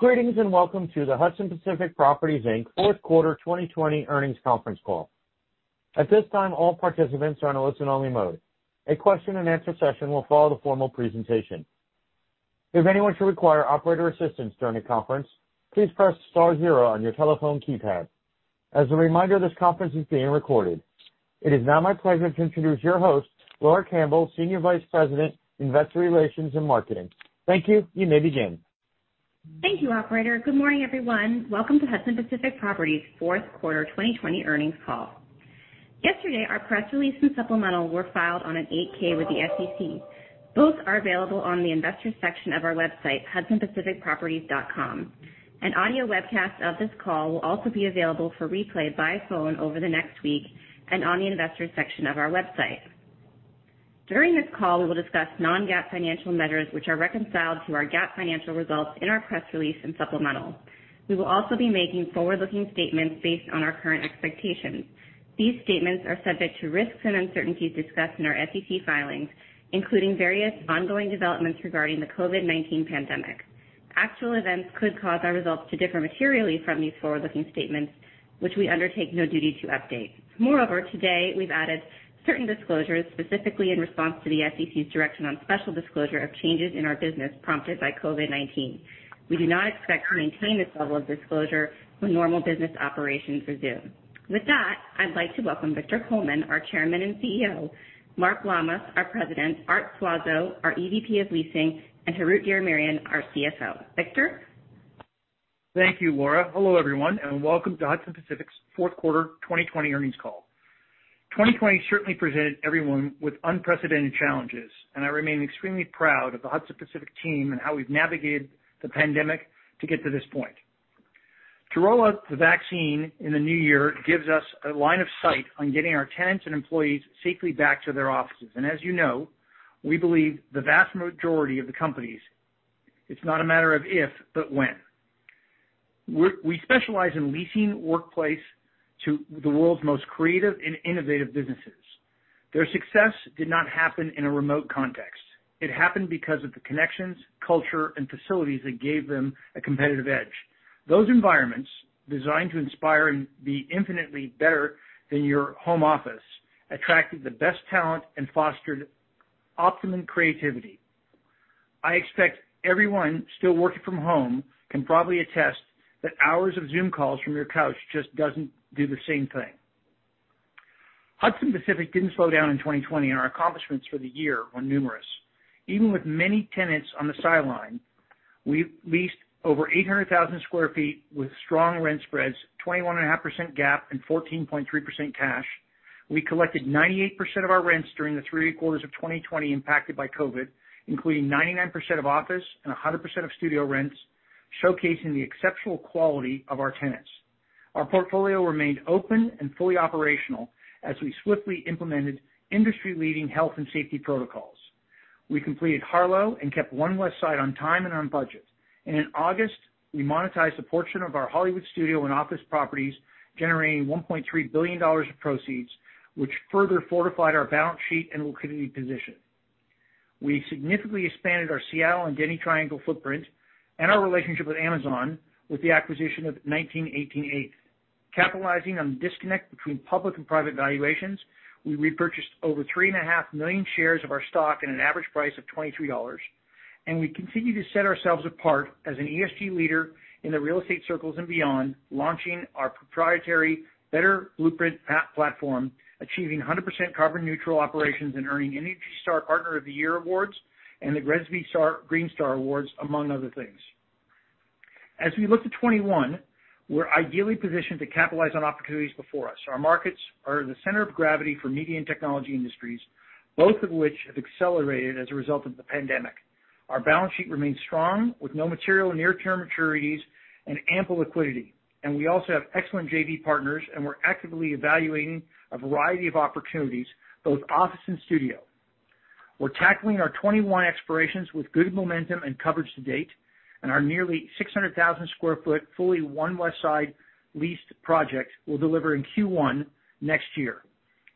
Greetings and welcome to the Hudson Pacific Properties Inc. fourth quarter 2020 earnings conference call. At this time, all participants are in a listen only mode. A question and answer session will follow the formal presentation. If anyone should require operator assistance during the conference, please press star zero on your telephone keypad. As a reminder, this conference is being recorded. It is now my pleasure to introduce your host, Laura Campbell, Senior Vice President, Investor Relations and Marketing. Thank you. You may begin. Thank you, operator. Good morning, everyone. Welcome to Hudson Pacific Properties fourth quarter 2020 earnings call. Yesterday, our press release and supplemental were filed on an 8-K with the SEC. Both are available on the investors section of our website, hudsonpacificproperties.com. An audio webcast of this call will also be available for replay by phone over the next week and on the investors section of our website. During this call, we will discuss non-GAAP financial measures which are reconciled to our GAAP financial results in our press release and supplemental. We will also be making forward looking statements based on our current expectations. These statements are subject to risks and uncertainties discussed in our SEC filings, including various ongoing developments regarding the COVID-19 pandemic. Actual events could cause our results to differ materially from these forward looking statements, which we undertake no duty to update. Moreover, today we've added certain disclosures specifically in response to the SEC's direction on special disclosure of changes in our business prompted by COVID-19. We do not expect to maintain this level of disclosure when normal business operations resume. With that, I'd like to welcome Victor Coleman, our Chairman and CEO, Mark Lammas, our President, Arthur Suazo, our EVP of Leasing, and Harout Diramerian, our CFO. Victor? Thank you, Laura. Hello, everyone, welcome to Hudson Pacific Properties' fourth quarter 2020 earnings call. 2020 certainly presented everyone with unprecedented challenges, I remain extremely proud of the Hudson Pacific Properties team and how we've navigated the pandemic to get to this point. To roll out the vaccine in the new year gives us a line of sight on getting our tenants and employees safely back to their offices. As you know, we believe the vast majority of the companies, it's not a matter of if, but when. We specialize in leasing workplace to the world's most creative and innovative businesses. Their success did not happen in a remote context. It happened because of the connections, culture, and facilities that gave them a competitive edge. Those environments, designed to inspire and be infinitely better than your home office, attracted the best talent and fostered optimum creativity. I expect everyone still working from home can probably attest that hours of Zoom calls from your couch just doesn't do the same thing. Hudson Pacific didn't slow down in 2020, and our accomplishments for the year were numerous. Even with many tenants on the sideline, we leased over 800,000 sq ft with strong rent spreads, 21.5% GAAP and 14.3% cash. We collected 98% of our rents during the three quarters of 2020 impacted by COVID-19, including 99% of office and 100% of studio rents, showcasing the exceptional quality of our tenants. Our portfolio remained open and fully operational as we swiftly implemented industry leading health and safety protocols. We completed Harlow and kept One Westside on time and on budget. In August, we monetized a portion of our Hollywood studio and office properties, generating $1.3 billion of proceeds, which further fortified our balance sheet and liquidity position. We significantly expanded our Seattle and Denny Triangle footprint and our relationship with Amazon with the acquisition of 1918 Eighth. Capitalizing on the disconnect between public and private valuations, we repurchased over 3.5 million shares of our stock at an average price of $23. We continue to set ourselves apart as an ESG leader in the real estate circles and beyond, launching our proprietary Better Blueprint platform, achieving 100% carbon neutral operations, and earning ENERGY STAR Partner of the Year awards and the Green Star awards, among other things. As we look to 2021, we're ideally positioned to capitalize on opportunities before us. Our markets are the center of gravity for media and technology industries, both of which have accelerated as a result of the pandemic. Our balance sheet remains strong with no material near term maturities and ample liquidity, and we also have excellent JV partners, and we're actively evaluating a variety of opportunities, both office and studio. We're tackling our 2021 expirations with good momentum and coverage to date, and our nearly 600,000 sq ft, fully One Westside leased project will deliver in Q1 next year.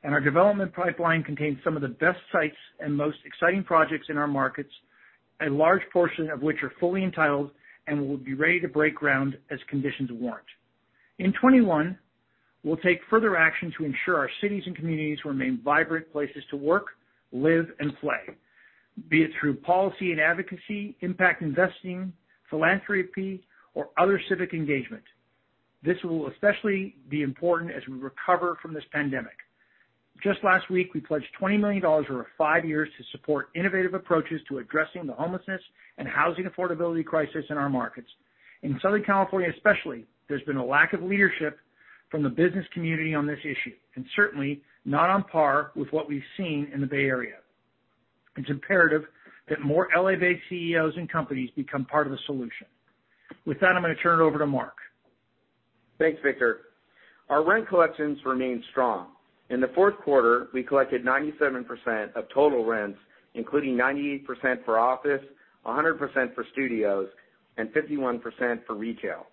Our development pipeline contains some of the best sites and most exciting projects in our markets, a large portion of which are fully entitled and will be ready to break ground as conditions warrant. In 2021, we'll take further action to ensure our cities and communities remain vibrant places to work, live, and play, be it through policy and advocacy, impact investing, philanthropy, or other civic engagement. This will especially be important as we recover from this pandemic. Just last week, we pledged $20 million over five years to support innovative approaches to addressing the homelessness and housing affordability crisis in our markets. In Southern California especially, there's been a lack of leadership from the business community on this issue, and certainly not on par with what we've seen in the Bay Area. It's imperative that more L.A. Based CEOs and companies become part of the solution. With that, I'm going to turn it over to Mark. Thanks, Victor. Our rent collections remain strong. In the fourth quarter, we collected 97% of total rents, including 98% for office, 100% for studios, and 51% for retail.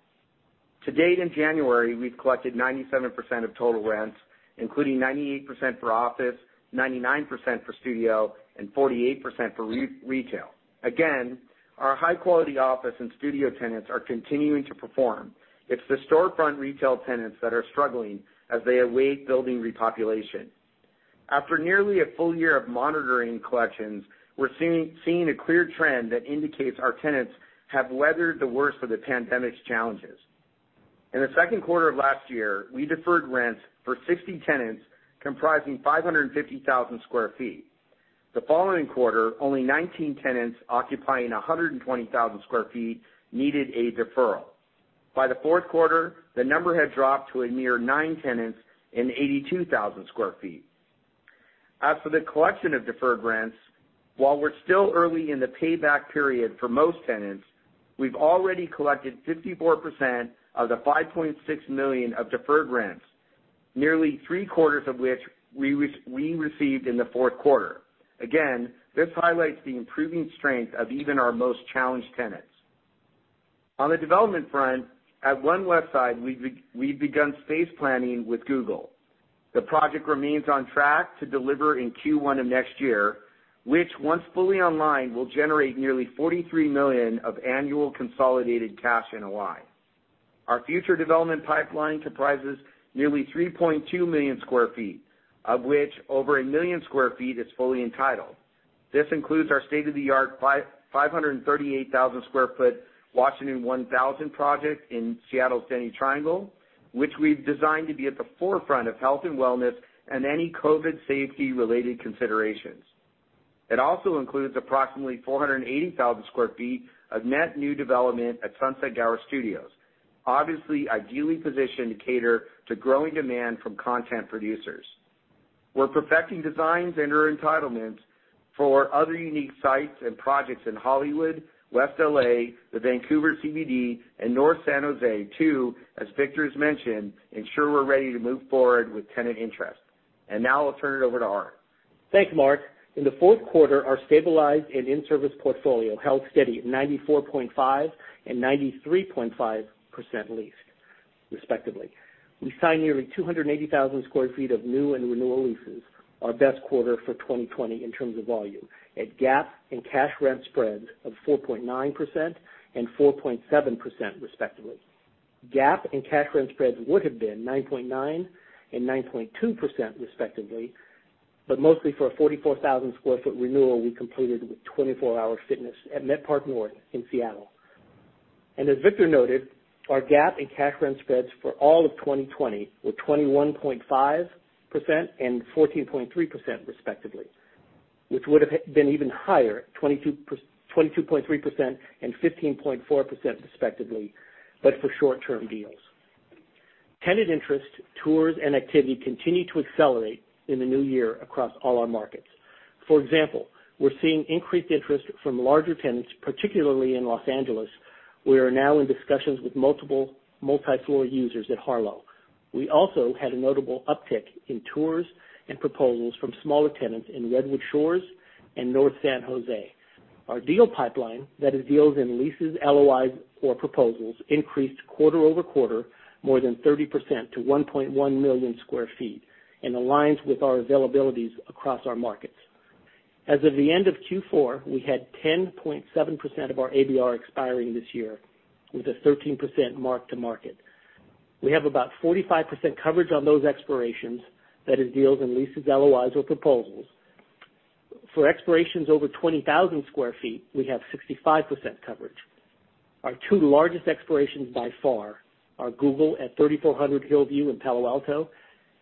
To date in January, we've collected 97% of total rents, including 98% for office, 99% for studio, and 48% for retail. Again, our high-quality office and studio tenants are continuing to perform. It's the storefront retail tenants that are struggling as they await building repopulation. After nearly a full year of monitoring collections, we're seeing a clear trend that indicates our tenants have weathered the worst of the pandemic's challenges. In the second quarter of last year, we deferred rents for 60 tenants comprising 550,000 sq ft. The following quarter, only 19 tenants occupying 120,000 sq ft needed a deferral. By the fourth quarter, the number had dropped to a mere nine tenants in 82,000 sq ft. As for the collection of deferred rents, while we're still early in the payback period for most tenants, we've already collected 54% of the $5.6 million of deferred rents, nearly three-quarters of which we received in the fourth quarter. This highlights the improving strength of even our most challenged tenants. On the development front, at One Westside, we've begun space planning with Google. The project remains on track to deliver in Q1 of next year, which once fully online, will generate nearly $43 million of annual consolidated cash NOI. Our future development pipeline comprises nearly 3.2 million square feet, of which over 1 million square feet is fully entitled. This includes our state-of-the-art 538,000 sq ft Washington 1000 project in Seattle's Denny Triangle, which we've designed to be at the forefront of health and wellness and any COVID safety-related considerations. It also includes approximately 480,000 sq ft of net new development at Sunset Gower Studios, obviously ideally positioned to cater to growing demand from content producers. We're perfecting designs and our entitlements for other unique sites and projects in Hollywood, West L.A., the Vancouver CBD, and North San José too, as Victor's mentioned, ensure we're ready to move forward with tenant interest. Now I'll turn it over to Art. Thanks, Mark. In the fourth quarter, our stabilized and in-service portfolio held steady at 94.5% and 93.5% leased respectively. We signed nearly 280,000 sq ft of new and renewal leases, our best quarter for 2020 in terms of volume, at GAAP and cash rent spreads of 4.9% and 4.7%, respectively. GAAP and cash rent spreads would have been 9.9% and 9.2% respectively, but mostly for a 44,000 sq ft renewal we completed with 24 Hour Fitness at Met Park North in Seattle. As Victor noted, our GAAP and cash rent spreads for all of 2020 were 21.5% and 14.3% respectively, which would have been even higher at 22.3% and 15.4% respectively, but for short-term deals. Tenant interest, tours, and activity continue to accelerate in the new year across all our markets. For example, we're seeing increased interest from larger tenants, particularly in Los Angeles. We are now in discussions with multiple multi-floor users at Harlow. We also had a notable uptick in tours and proposals from smaller tenants in Redwood Shores and North San Jose. Our deal pipeline, that is deals in leases, LOIs or proposals, increased quarter-over-quarter more than 30% to 1.1 million sq ft and aligns with our availabilities across our markets. As of the end of Q4, we had 10.7% of our ABR expiring this year with a 13% mark-to-market. We have about 45% coverage on those expirations. That is deals in leases, LOIs or proposals. For expirations over 20,000 sq ft, we have 65% coverage. Our two largest expirations by far are Google at 3400 Hillview in Palo Alto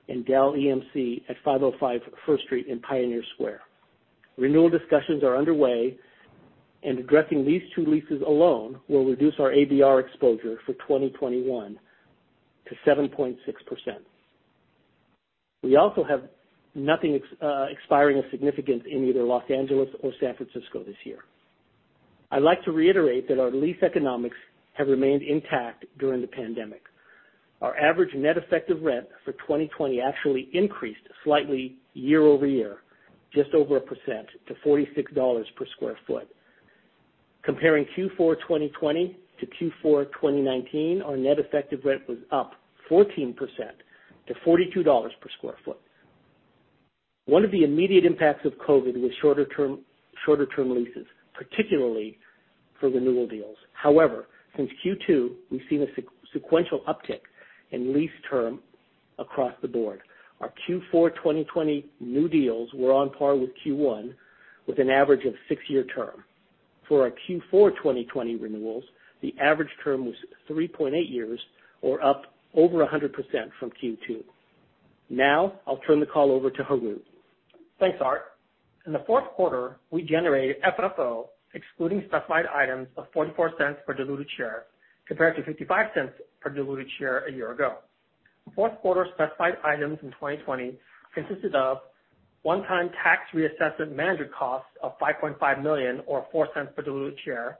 and Dell EMC at 505 First Street in Pioneer Square. Renewal discussions are underway. Addressing these two leases alone will reduce our ABR exposure for 2021 to 7.6%. We also have nothing expiring of significance in either Los Angeles or San Francisco this year. I'd like to reiterate that our lease economics have remained intact during the pandemic. Our average net effective rent for 2020 actually increased slightly year-over-year, just over a percent to $46 per sq ft. Comparing Q4 2020 to Q4 2019, our net effective rent was up 14% to $42 per sq ft. One of the immediate impacts of COVID was shorter-term leases, particularly for renewal deals. However, since Q2, we've seen a sequential uptick in lease term across the board. Our Q4 2020 new deals were on par with Q1, with an average of six-year term. For our Q4 2020 renewals, the average term was 3.8 years or up over 100% from Q2. Now I'll turn the call over to Harout. Thanks, Art. In the fourth quarter, we generated FFO excluding specified items of $0.44 per diluted share compared to $0.55 per diluted share a year ago. Fourth quarter specified items in 2020 consisted of one-time tax reassessment management costs of $5.5 million or $0.04 per diluted share,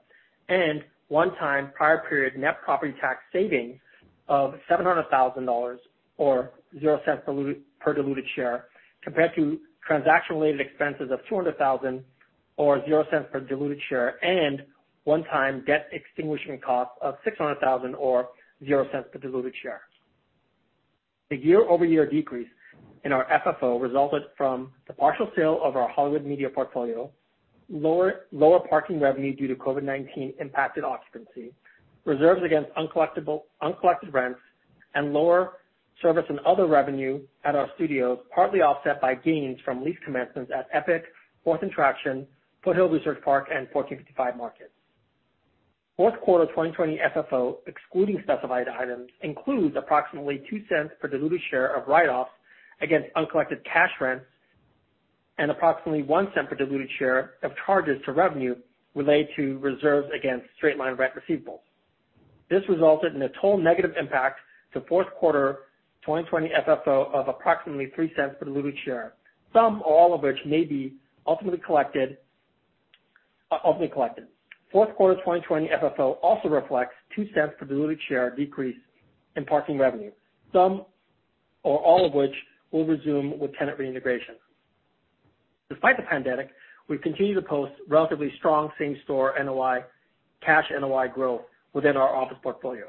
and one-time prior period net property tax savings of $700,000 or $0.00 per diluted share, compared to transaction related expenses of $200,000 Or $0.00 per diluted share and one-time debt extinguishment cost of $600,000 or $0.00 per diluted share. The year-over-year decrease in our FFO resulted from the partial sale of our Hollywood Media Portfolio, lower parking revenue due to COVID-19 impacted occupancy, reserves against uncollected rents, and lower service and other revenue at our studios, partly offset by gains from lease commencements at Epic, Fourth and Traction, Foothill Research Park, and 1455 Market. Fourth quarter 2020 FFO, excluding specified items, includes approximately $0.02 per diluted share of write-offs against uncollected cash rents, and approximately $0.01 per diluted share of charges to revenue related to reserves against straight-line rent receivables. This resulted in a total negative impact to fourth quarter 2020 FFO of approximately $0.03 per diluted share, some or all of which may be ultimately collected. Fourth quarter 2020 FFO also reflects $0.02 per diluted share decrease in parking revenue, some or all of which will resume with tenant reintegration. Despite the pandemic, we continue to post relatively strong same-store cash NOI growth within our office portfolio.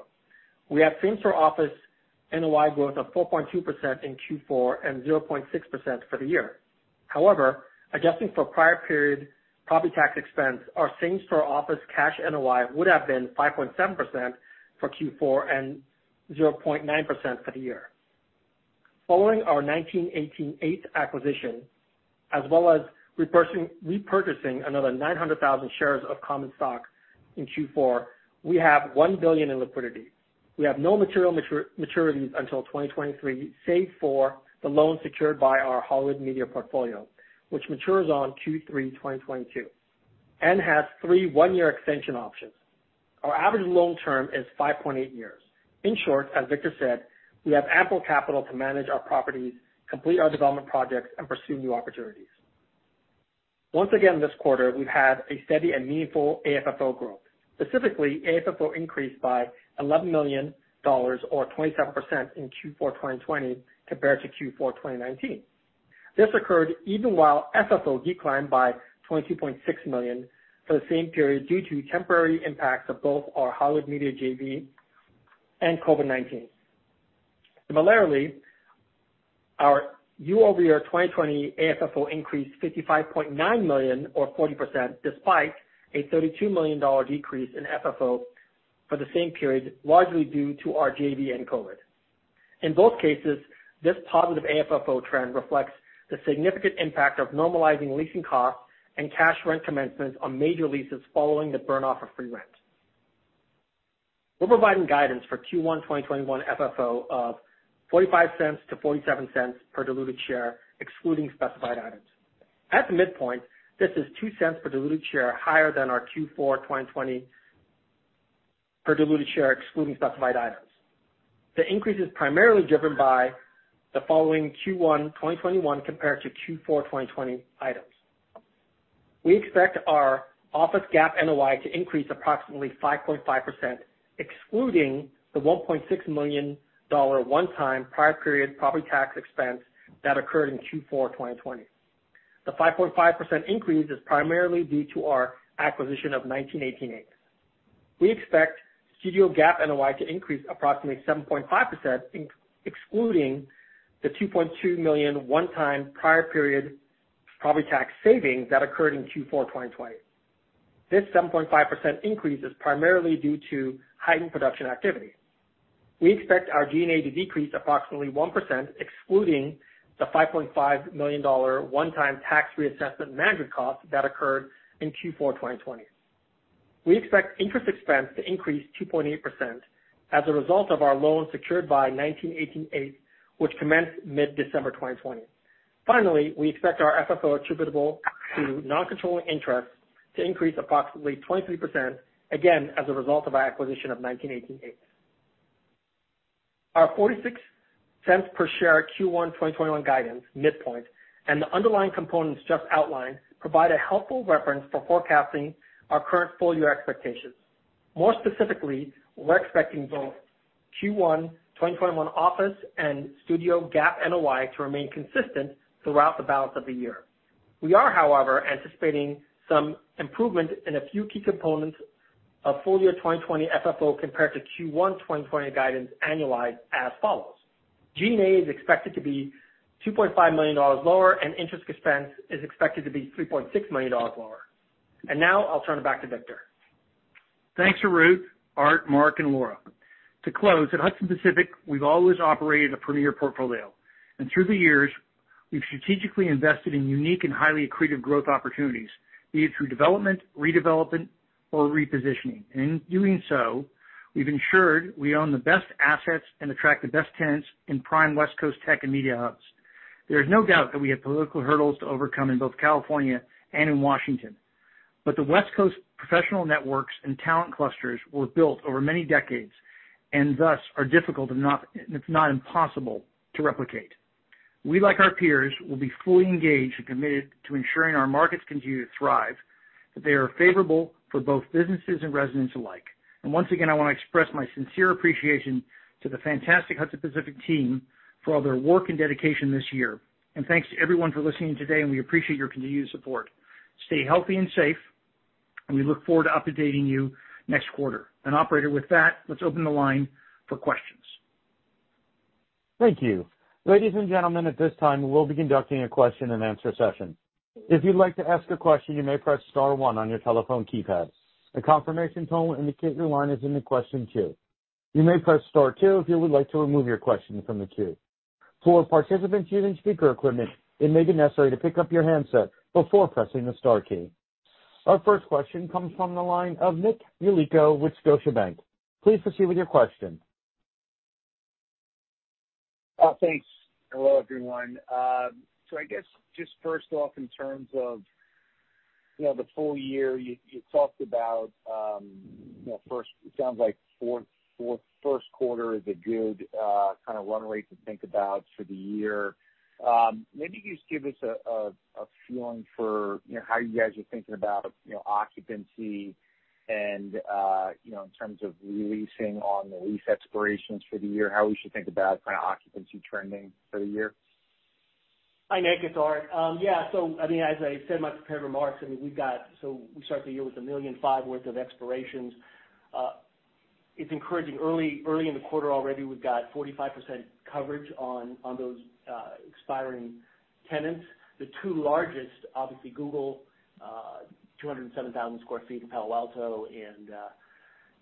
We have same-store office NOI growth of 4.2% in Q4 and 0.6% for the year. However, adjusting for prior period property tax expense, our same-store office cash NOI would have been 5.7% for Q4 and 0.9% for the year. Following our 1918 Eighth acquisition as well as repurchasing another 900,000 shares of common stock in Q4, we have $1 billion in liquidity. We have no material maturities until 2023, save for the loan secured by our Hollywood Media Portfolio, which matures on Q3 2022 and has 3 one-year extension options. Our average loan term is 5.8 years. In short, as Victor said, we have ample capital to manage our properties, complete our development projects, and pursue new opportunities. Once again this quarter, we've had a steady and meaningful AFFO growth. Specifically, AFFO increased by $11 million or 27% in Q4 2020 compared to Q4 2019. This occurred even while FFO declined by $22.6 million for the same period due to temporary impacts of both our Hollywood Media Portfolio and COVID-19. Our year-over-year 2020 AFFO increased $55.9 million or 40%, despite a $32 million decrease in FFO for the same period, largely due to our JV and COVID-19. In both cases, this positive AFFO trend reflects the significant impact of normalizing leasing costs and cash rent commencements on major leases following the burn-off of free rent. We're providing guidance for Q1 2021 FFO of $0.45-$0.47 per diluted share, excluding specified items. At the midpoint, this is $0.02 per diluted share higher than our Q4 2020 per diluted share, excluding specified items. The increase is primarily driven by the following Q1 2021 compared to Q4 2020 items. We expect our office GAAP NOI to increase approximately 5.5%, excluding the $1.6 million one-time prior period property tax expense that occurred in Q4 2020. The 5.5% increase is primarily due to our acquisition of 1918 Eighth. We expect studio GAAP NOI to increase approximately 7.5%, excluding the $2.2 million one-time prior period property tax savings that occurred in Q4 2020. This 7.5% increase is primarily due to heightened production activity. We expect our G&A to decrease approximately 1%, excluding the $5.5 million one-time tax reassessment management cost that occurred in Q4 2020. We expect interest expense to increase 2.8% as a result of our loan secured by 1918 Eighth, which commenced mid-December 2020. Finally, we expect our FFO attributable to non-controlling interest to increase approximately 23%, again, as a result of our acquisition of 1918 Eighth. Our $0.46 per share Q1 2021 guidance midpoint and the underlying components just outlined provide a helpful reference for forecasting our current full-year expectations. More specifically, we're expecting both Q1 2021 office and studio GAAP NOI to remain consistent throughout the balance of the year. We are, however, anticipating some improvement in a few key components of full-year 2020 FFO compared to Q1 2020 guidance annualized as follows. G&A is expected to be $2.5 million lower, and interest expense is expected to be $3.6 million lower. Now I'll turn it back to Victor. Thanks, Harout, Art, Mark, and Laura. To close, at Hudson Pacific, we've always operated a premier portfolio, and through the years, we've strategically invested in unique and highly accretive growth opportunities, be it through development, redevelopment, or repositioning. In doing so, we've ensured we own the best assets and attract the best tenants in prime West Coast tech and media hubs. There is no doubt that we have political hurdles to overcome in both California and in Washington. The West Coast professional networks and talent clusters were built over many decades, and thus are difficult, if not impossible, to replicate. We, like our peers, will be fully engaged and committed to ensuring our markets continue to thrive. That they are favorable for both businesses and residents alike. Once again, I want to express my sincere appreciation to the fantastic Hudson Pacific team for all their work and dedication this year. Thanks to everyone for listening today, and we appreciate your continued support. Stay healthy and safe, and we look forward to updating you next quarter. Operator, with that, let's open the line for questions. Thank you. Ladies and gentlemen, at this time, we'll be conducting a question and answer session. If you'd like to ask a question, you may press star one on your telephone keypad. A confirmation tone will indicate your line is in the question queue. You may press star two if you would like to remove your question from the queue. For participants using speaker equipment, it may be necessary to pick up your handset before pressing the star key. Our first question comes from the line of Nicholas Yulico with Scotiabank. Please proceed with your question. Thanks. Hello, everyone. I guess just first off, in terms of the full year, you talked about first, it sounds like first quarter is a good kind of run rate to think about for the year. Maybe just give us a feeling for how you guys are thinking about occupancy and in terms of releasing on the lease expirations for the year, how we should think about kind of occupancy trending for the year. Hi, Nick. It's Art. Yeah. As I said in my prepared remarks, we start the year with $1.5 million worth of expirations. It's encouraging early in the quarter already we've got 45% coverage on those expiring tenants. The two largest, obviously Google, 207,000 sq ft in Palo Alto, and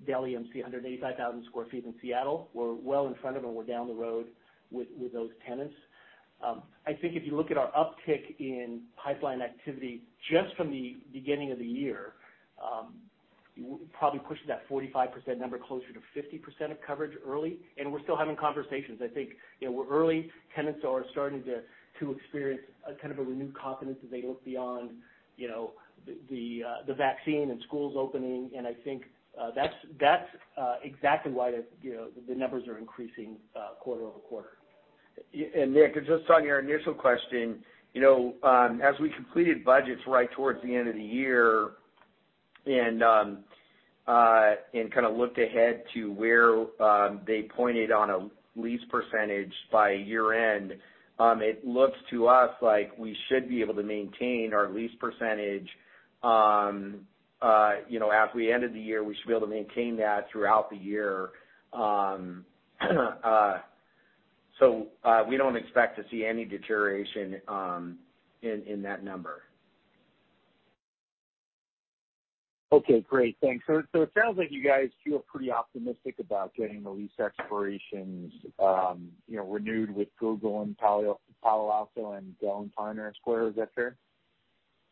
Dell EMC, 185,000 sq ft in Seattle. We're well in front of them. We're down the road with those tenants. I think if you look at our uptick in pipeline activity just from the beginning of the year, probably pushing that 45% number closer to 50% of coverage early, and we're still having conversations. I think we're early. Tenants are starting to experience a kind of a renewed confidence as they look beyond the vaccine and schools opening. I think that's exactly why the numbers are increasing quarter-over-quarter. Nick, just on your initial question, as we completed budgets right towards the end of the year and kind of looked ahead to where they pointed on a lease percentage by year end, it looks to us like we should be able to maintain our lease percentage. As we ended the year, we should be able to maintain that throughout the year. We don't expect to see any deterioration in that number. Okay, great. Thanks. It sounds like you guys feel pretty optimistic about getting the lease expirations renewed with Google in Palo Alto and Dell in Pioneer Square. Is that fair?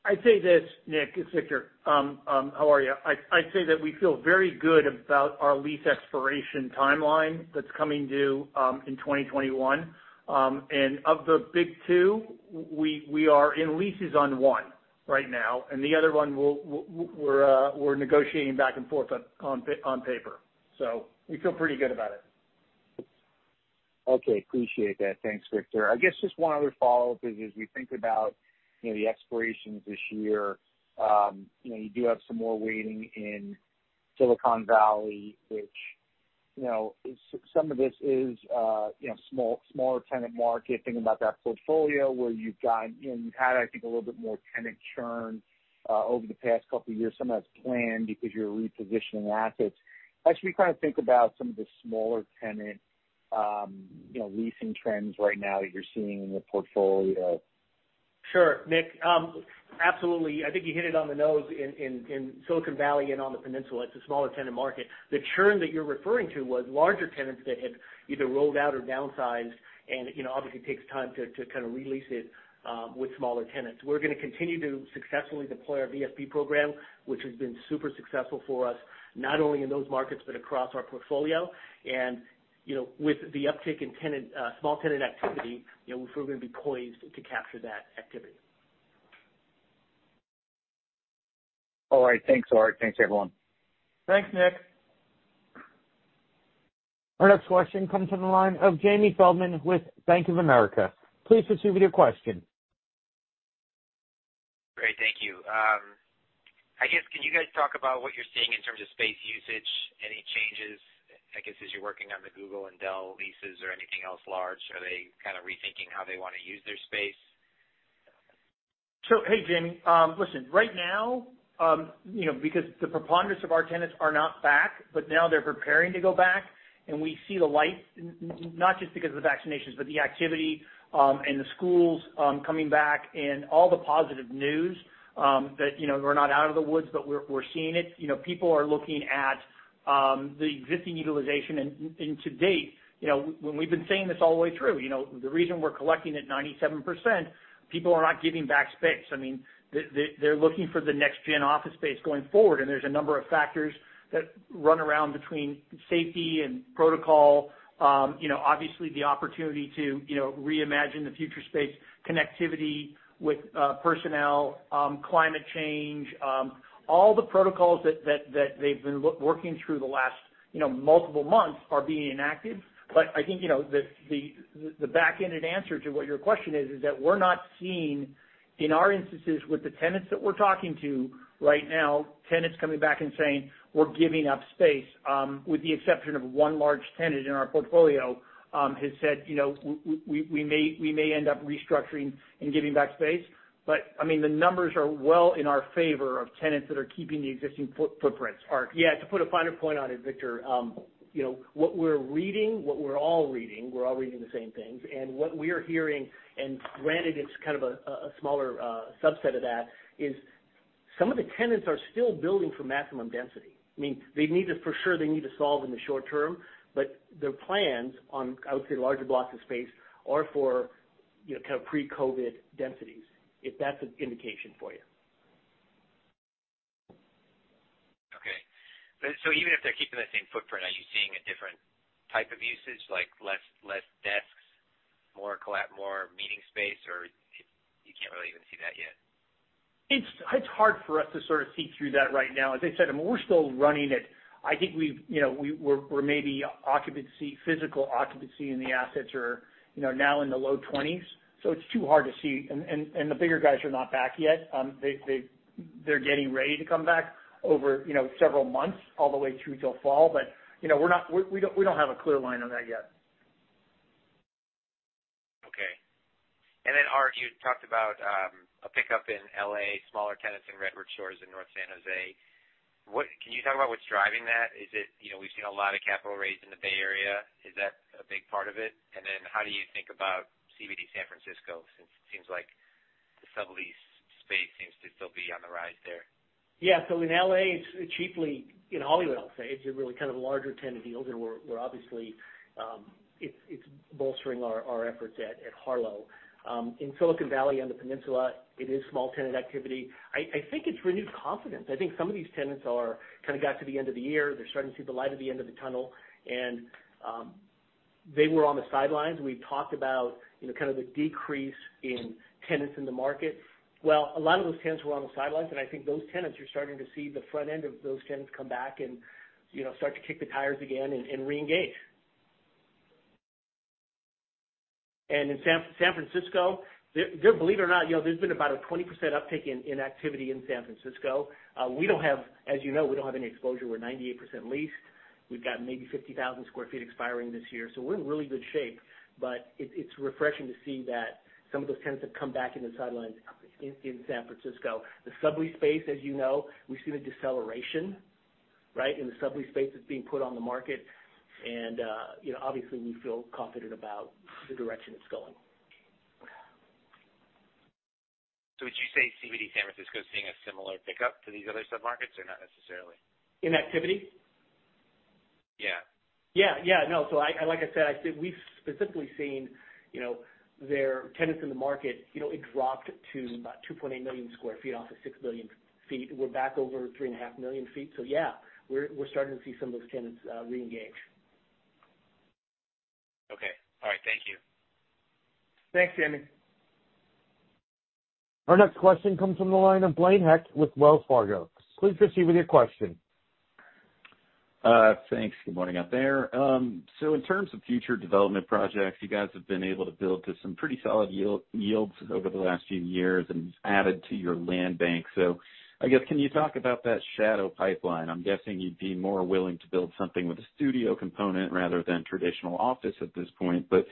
I'd say this, Nick. It's Victor. How are you? I'd say that we feel very good about our lease expiration timeline that's coming due in 2021. Of the big two, we are in leases on one right now, and the other one, we're negotiating back and forth on paper. We feel pretty good about it. Okay. Appreciate that. Thanks, Victor. I guess just one other follow-up is, as we think about the expirations this year, you do have some more weighting in Silicon Valley, which some of this is smaller tenant market. Thinking about that portfolio where you've had, I think, a little bit more tenant churn over the past couple of years. Some of that's planned because you're repositioning assets. We kind of think about some of the smaller tenant leasing trends right now that you're seeing in the portfolio? Sure, Nick. Absolutely. I think you hit it on the nose in Silicon Valley and on the Peninsula. It's a smaller tenant market. The churn that you're referring to was larger tenants that had either rolled out or downsized, and it obviously takes time to kind of re-lease it with smaller tenants. We're going to continue to successfully deploy our VSP program, which has been super successful for us, not only in those markets, but across our portfolio. With the uptick in small tenant activity, we feel we're going to be poised to capture that activity. All right. Thanks, Art. Thanks, everyone. Thanks, Nick. Our next question comes from the line of Jamie Feldman with Bank of America. Please proceed with your question. Great. Thank you. I guess, can you guys talk about what you're seeing in terms of space usage? Any changes, I guess as you're working on the Google and Dell leases or anything else large? Are they kind of rethinking how they want to use their space? Hey, Jamie. Listen, right now because the preponderance of our tenants are not back, but now they're preparing to go back, and we see the light, not just because of the vaccinations, but the activity and the schools coming back and all the positive news. We're not out of the woods, but we're seeing it. People are looking at the existing utilization. To date, when we've been saying this all the way through, the reason we're collecting at 97%, people are not giving back space. They're looking for the next-gen office space going forward. There's a number of factors that run around between safety and protocol, obviously, the opportunity to reimagine the future space, connectivity with personnel, climate change. All the protocols that they've been working through the last multiple months are being enacted. I think the back-ended answer to what your question is that we're not seeing, in our instances with the tenants that we're talking to right now, tenants coming back and saying, "We're giving up space." With the exception of one large tenant in our portfolio has said, "We may end up restructuring and giving back space." The numbers are well in our favor of tenants that are keeping the existing footprints. Art, yeah, to put a finer point on it, Victor. What we're reading, what we're all reading, we're all reading the same things, and what we're hearing, and granted it's kind of a smaller subset of that, is Some of the tenants are still building for maximum density. For sure, they need to solve in the short term, but their plans on, I would say, larger blocks of space are for kind of pre-COVID densities, if that's an indication for you. Okay. Even if they're keeping that same footprint, are you seeing a different type of usage, like less desks, more meeting space, or you can't really even see that yet? It's hard for us to sort of see through that right now. As I said, we're still running at, I think, we're maybe physical occupancy in the assets are now in the low 20s, so it's too hard to see. The bigger guys are not back yet. They're getting ready to come back over several months all the way through till fall. We don't have a clear line on that yet. Okay. Art, you talked about a pickup in L.A., smaller tenants in Redwood Shores in North San Jose. Can you talk about what's driving that? We've seen a lot of capital raised in the Bay Area. Is that a big part of it? How do you think about CBD San Francisco, since it seems like the sublease space seems to still be on the rise there? In L.A., it's chiefly in Hollywood, I'll say. It's a really kind of larger tenant deals, and we're obviously bolstering our efforts at Harlow. In Silicon Valley on the peninsula, it is small tenant activity. I think it's renewed confidence. I think some of these tenants kind of got to the end of the year. They're starting to see the light at the end of the tunnel, and they were on the sidelines. We've talked about kind of the decrease in tenants in the market. Well, a lot of those tenants were on the sidelines, and I think those tenants, you're starting to see the front end of those tenants come back and start to kick the tires again and reengage. In San Francisco, believe it or not, there's been about a 20% uptick in activity in San Francisco. As you know, we don't have any exposure. We're 98% leased. We've got maybe 50,000 sq ft expiring this year. We're in really good shape. It's refreshing to see that some of those tenants have come back in the sidelines in San Francisco. The sublease space, as you know, we've seen a deceleration, right? In the sublease space that's being put on the market. Obviously, we feel confident about the direction it's going. Would you say CBD San Francisco is seeing a similar pickup to these other sub-markets, or not necessarily? In activity? Yeah. Yeah. No. Like I said, we've specifically seen there are tenants in the market. It dropped to about 2.8 million square feet off of 6 million feet. We're back over three and a half million feet. Yeah, we're starting to see some of those tenants reengage. Okay. All right. Thank you. Thanks, Jamie. Our next question comes from the line of Blaine Heck with Wells Fargo. Please proceed with your question. Thanks. Good morning out there. In terms of future development projects, you guys have been able to build to some pretty solid yields over the last few years and added to your land bank. I guess, can you talk about that shadow pipeline? I'm guessing you'd be more willing to build something with a studio component rather than traditional office at this point. What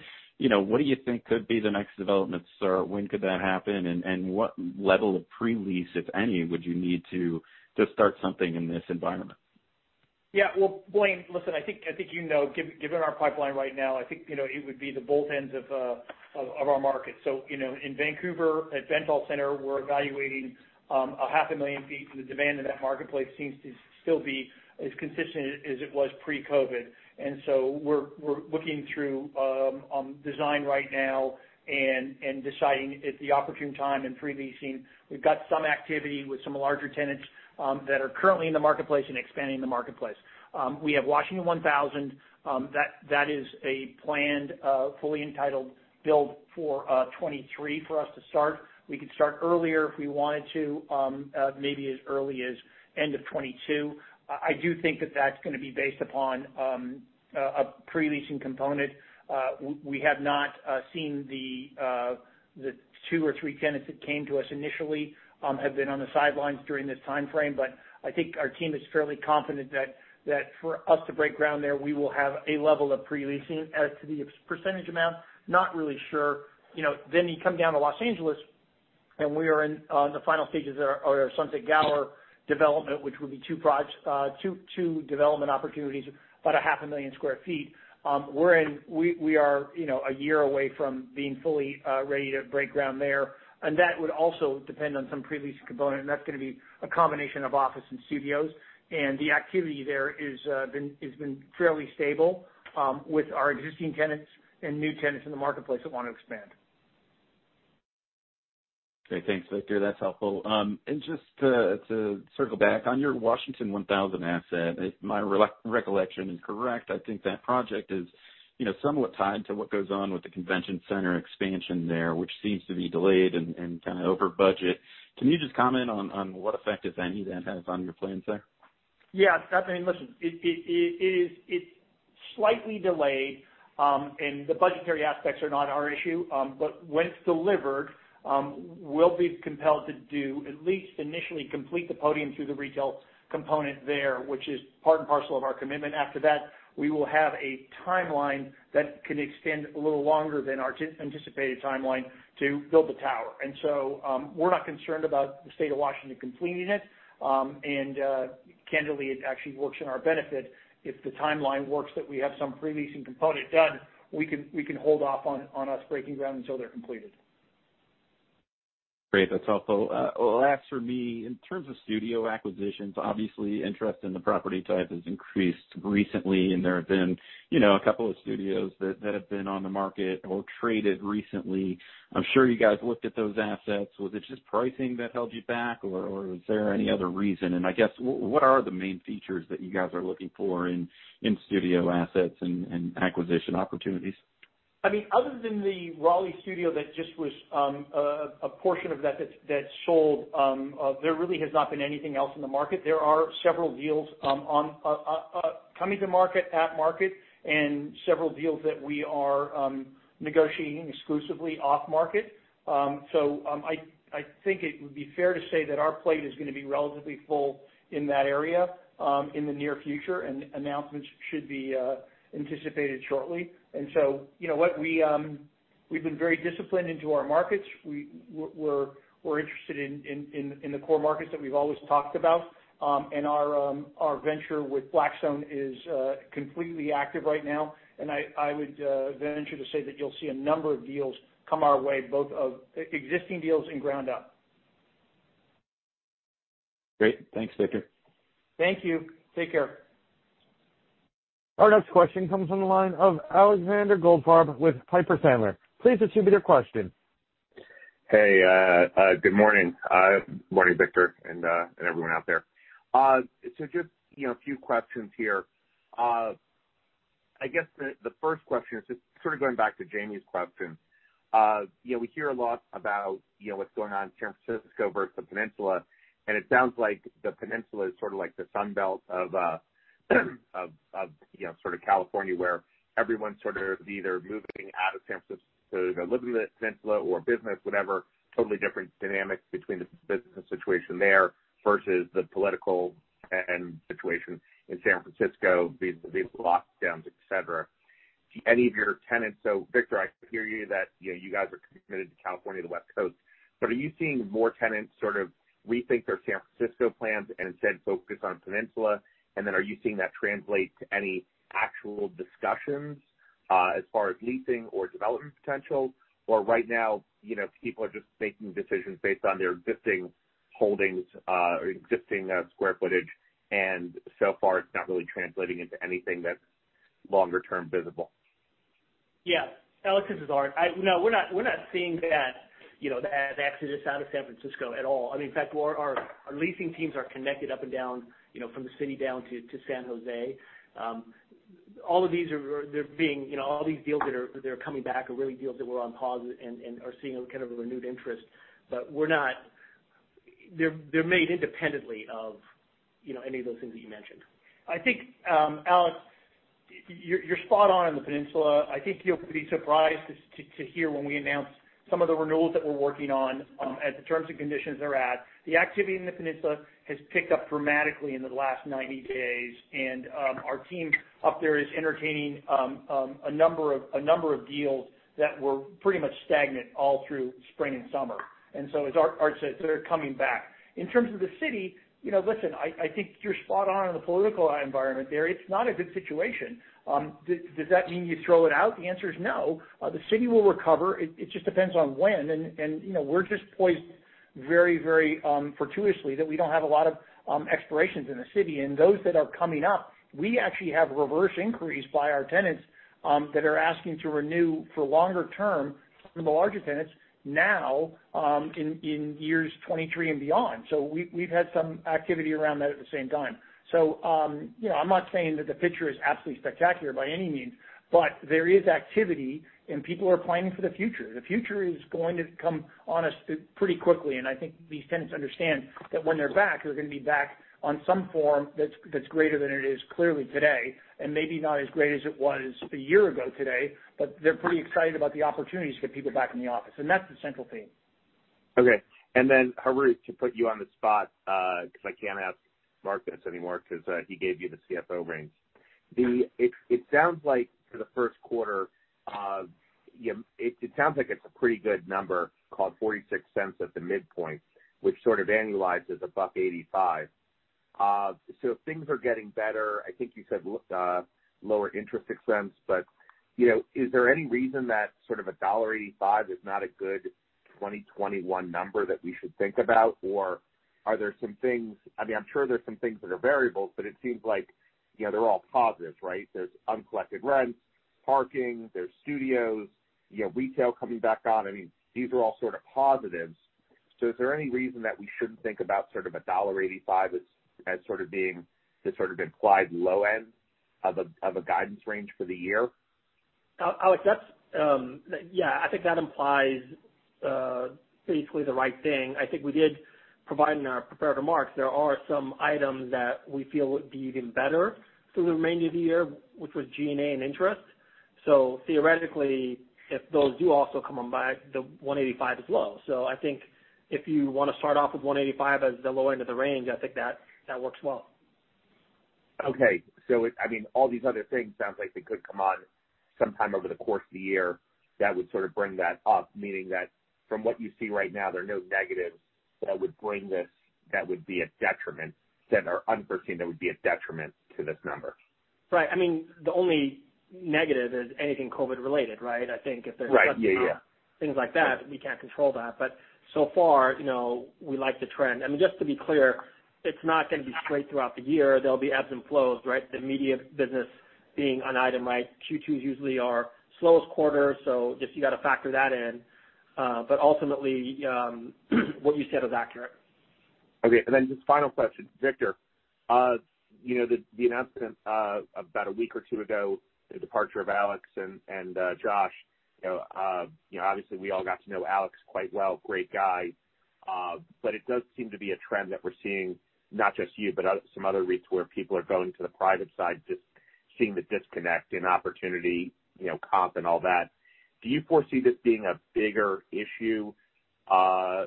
do you think could be the next development start? When could that happen, and what level of pre-lease, if any, would you need to start something in this environment? Well, Blaine, listen, I think you know, given our pipeline right now, I think it would be the both ends of our market. In Vancouver, at Bentall Centre, we're evaluating 500,000 ft, and the demand in that marketplace seems to still be as consistent as it was pre-COVID. We're looking through on design right now and deciding if the opportune time in pre-leasing. We've got some activity with some larger tenants that are currently in the marketplace and expanding in the marketplace. We have Washington 1000. That is a planned, fully entitled build for 2023 for us to start. We could start earlier if we wanted to, maybe as early as end of 2022. I do think that that's going to be based upon a pre-leasing component. We have not seen the two or three tenants that came to us initially have been on the sidelines during this timeframe. I think our team is fairly confident that for us to break ground there, we will have a level of pre-leasing. As to the percentage amount, not really sure. You come down to Los Angeles, we are in the final stages of our Sunset Gower development, which will be two development opportunities, about a half a million sq ft. We are a year away from being fully ready to break ground there. That would also depend on some pre-lease component, and that's going to be a combination of office and studios. The activity there has been fairly stable with our existing tenants and new tenants in the marketplace that want to expand. Okay. Thanks, Victor. That's helpful. Just to circle back on your Washington 1000 asset, if my recollection is correct, I think that project is somewhat tied to what goes on with the convention center expansion there, which seems to be delayed and kind of over budget. Can you just comment on what effect, if any, that has on your plans there? Yeah. Listen, it's slightly delayed. The budgetary aspects are not our issue. Once delivered, we'll be compelled to do at least initially complete the podium through the retail component there, which is part and parcel of our commitment. After that, we will have a timeline that can extend a little longer than our anticipated timeline to build the tower. We're not concerned about the State of Washington completing it. Candidly, it actually works in our benefit if the timeline works that we have some pre-leasing component done, we can hold off on us breaking ground until they're completed. Great. That's helpful. Last for me, in terms of studio acquisitions, obviously interest in the property type has increased recently, and there have been a couple of studios that have been on the market or traded recently. I'm sure you guys looked at those assets. Was it just pricing that held you back, or was there any other reason? I guess, what are the main features that you guys are looking for in studio assets and acquisition opportunities? Other than the Raleigh Studios that just, a portion of that sold, there really has not been anything else in the market. There are several deals coming to market, at market, and several deals that we are negotiating exclusively off-market. I think it would be fair to say that our plate is going to be relatively full in that area in the near future, and announcements should be anticipated shortly. You know what? We've been very disciplined into our markets. We're interested in the core markets that we've always talked about. Our venture with Blackstone is completely active right now, and I would venture to say that you'll see a number of deals come our way, both of existing deals and ground up. Great. Thanks, Victor. Thank you. Take care. Our next question comes from the line of Alexander Goldfarb with Piper Sandler. Please attribute your question. Hey, good morning. Morning, Victor, and everyone out there. Just a few questions here. I guess the first question is just sort of going back to Jamie's question. We hear a lot about what's going on in San Francisco versus the peninsula. It sounds like the peninsula is sort of like the sunbelt of sort of California, where everyone's sort of either moving out of San Francisco to either live in the peninsula or business, whatever. Totally different dynamics between the business situation there versus the political situation in San Francisco, these lockdowns, et cetera. Victor, I hear you that you guys are committed to California, the West Coast. Are you seeing more tenants sort of rethink their San Francisco plans and instead focus on peninsula? Are you seeing that translate to any actual discussions as far as leasing or development potential? Right now, people are just making decisions based on their existing holdings or existing sq ftage, and so far it is not really translating into anything that is longer term visible. Alex, this is Art. No, we're not seeing that exodus out of San Francisco at all. In fact, our leasing teams are connected up and down from the city down to San Jose. All of these deals that are coming back are really deals that were on pause and are seeing kind of a renewed interest. They're made independently of any of those things that you mentioned. I think, Alex, you're spot on in the peninsula. I think you'll be surprised to hear when we announce some of the renewals that we're working on as the terms and conditions they're at. The activity in the peninsula has picked up dramatically in the last 90 days. Our team up there is entertaining a number of deals that were pretty much stagnant all through spring and summer. As Art said, they're coming back. In terms of the city, listen, I think you're spot on in the political environment there. It's not a good situation. Does that mean you throw it out? The answer is no. The city will recover. It just depends on when. We're just poised very fortuitously that we don't have a lot of expirations in the city. Those that are coming up, we actually have reverse inquiries by our tenants that are asking to renew for longer term, some of the larger tenants now in years 2023 and beyond. We've had some activity around that at the same time. I'm not saying that the picture is absolutely spectacular by any means, but there is activity and people are planning for the future. The future is going to come on us pretty quickly, and I think these tenants understand that when they're back, they're going to be back on some form that's greater than it is clearly today, and maybe not as great as it was a year ago today, but they're pretty excited about the opportunities to get people back in the office. That's the central theme. Okay. Harout, to put you on the spot because I can't ask Mark this anymore because he gave you the CFO reins. It sounds like for the first quarter, it sounds like it's a pretty good number, call it $0.46 at the midpoint, which sort of annualizes $1.85. Things are getting better. I think you said lower interest expense, is there any reason that sort of a $1.85 is not a good 2021 number that we should think about? Are there some things I'm sure there's some things that are variables, but it seems like they're all positives, right? There's uncollected rents, parking, there's studios, retail coming back on. These are all sort of positives. Is there any reason that we shouldn't think about sort of $1.85 as sort of being the sort of implied low end of a guidance range for the year? Alex, yeah, I think that implies basically the right thing. I think we did provide in our prepared remarks, there are some items that we feel would be even better through the remainder of the year, which was G&A and interest. Theoretically, if those do also come on by, the $1.85 is low. I think if you want to start off with $1.85 as the low end of the range, I think that works well. Okay. All these other things sounds like they could come on sometime over the course of the year that would sort of bring that up. Meaning that from what you see right now, there are no negatives that would bring this that would be a detriment, or unforeseen, that would be a detriment to this number. Right. The only negative is anything COVID related, right? Right. Yeah. things like that, we can't control that. So far, we like the trend. Just to be clear, it's not going to be straight throughout the year. There'll be ebbs and flows, right? The media business being an item, right? Q2 is usually our slowest quarter, just you got to factor that in. Ultimately, what you said is accurate. Okay. Just final question. Victor, the announcement about a week or two ago, the departure of Alex and Josh. Obviously, we all got to know Alex quite well, great guy. It does seem to be a trend that we're seeing, not just you, but some other REITs where people are going to the private side, just seeing the disconnect in opportunity, comp and all that. Do you foresee this being a bigger issue? Is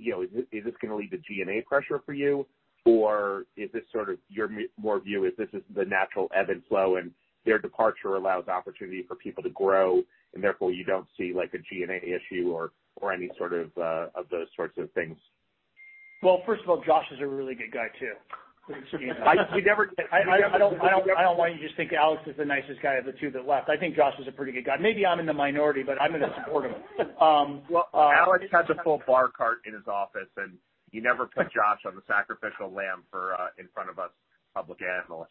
this going to lead to G&A pressure for you? Is this sort of your more view is this is the natural ebb and flow and their departure allows opportunity for people to grow, and therefore you don't see like a G&A issue or any of those sorts of things? Well, first of all, Josh is a really good guy, too. I don't want you to just think Alex is the nicest guy of the two that left. I think Josh is a pretty good guy. Maybe I'm in the minority, but I'm going to support him. Alex has a full bar cart in his office, and you never put Josh on the sacrificial lamb in front of us public analysts.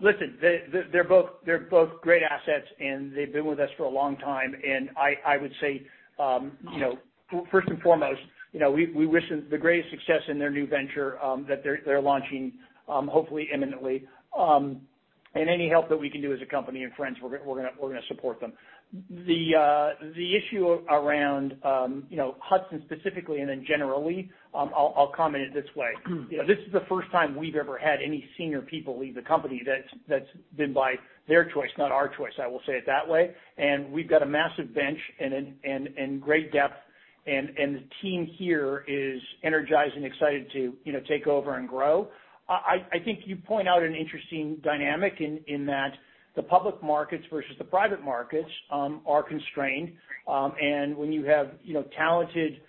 Listen, they're both great assets, and they've been with us for a long time, and I would say, first and foremost, we wish them the greatest success in their new venture that they're launching, hopefully imminently. Any help that we can do as a company and friends, we're going to support them. The issue around Hudson specifically and then generally, I'll comment it this way. This is the first time we've ever had any senior people leave the company that's been by their choice, not our choice, I will say it that way. We've got a massive bench and great depth, and the team here is energized and excited to take over and grow. I think you point out an interesting dynamic in that the public markets versus the private markets are constrained. When you have talented,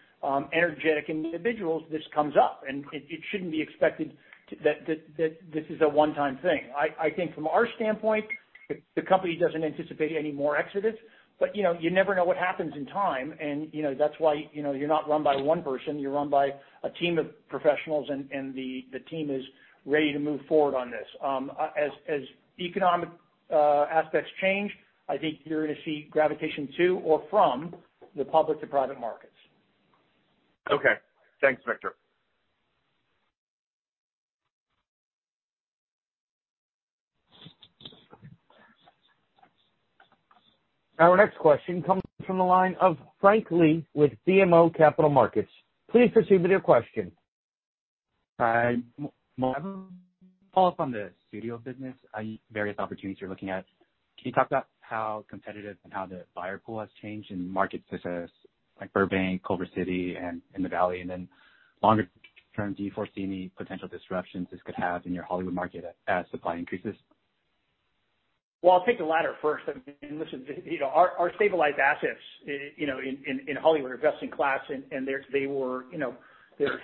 energetic individuals, this comes up, and it shouldn't be expected that this is a one-time thing. I think from our standpoint, the company doesn't anticipate any more exodus, but you never know what happens in time, and that's why you're not run by one person, you're run by a team of professionals, and the team is ready to move forward on this. As economic aspects change, I think you're going to see gravitation to or from the public to private markets. Okay. Thanks, Victor. Our next question comes from the line of John Kim with BMO Capital Markets. Please proceed with your question. Hi. Follow-up on the studio business, various opportunities you're looking at. Can you talk about how competitive and how the buyer pool has changed in markets such as Burbank, Culver City, and in the Valley? Longer term, do you foresee any potential disruptions this could have in your Hollywood market as supply increases? Well, I'll take the latter first. Listen, our stabilized assets in Hollywood are best in class, and they're